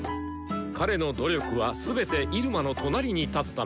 彼の努力は全て入間の隣に立つため！